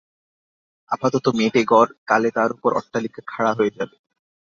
আপাতত মেটে ঘর, কালে তার উপর অট্টালিকা খাড়া হয়ে যাবে।